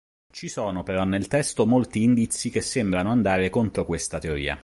Ci sono però nel testo molti indizi che sembrano andare contro questa teoria.